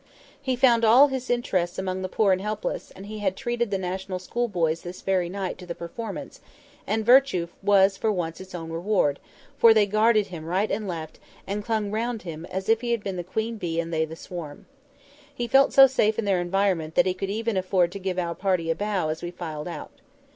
He found all his interests among the poor and helpless; he had treated the National School boys this very night to the performance; and virtue was for once its own reward, for they guarded him right and left, and clung round him as if he had been the queen bee and they the swarm. He felt so safe in their environment that he could even afford to give our party a bow as we filed out.